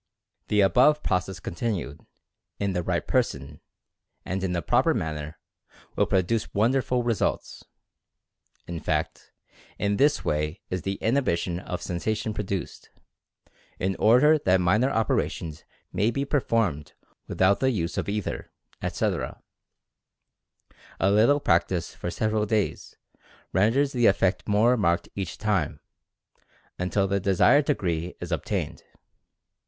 The above process continued, in the right person, and in the proper manner, will produce wonderful re sults. In fact, in this way is the inhibition of sensa tion produced, in order that minor operations may be performed without the use of ether, etc. A little practice for several days, renders the effect more marked each time, until the desired degree is obtained.